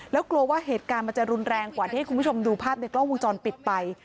แล้วกลัวว่าเหตุการณ์มันจะรุนแรงกว่าที่ให้คุณผู้ชมดูภาพในกล้องวงจรปิดไป